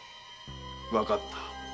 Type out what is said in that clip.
わかった。